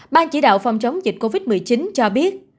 ban chỉ đạo phòng chống dịch covid một mươi chín cho biết